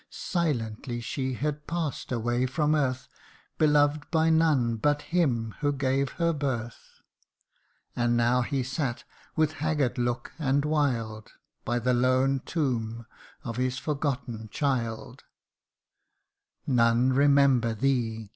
Silently she had pass'd away from earth, Beloved by none but him who gave her birth : And now he sat, with haggard look and wild, By the lone tomb of his forgotten child :' None remember thee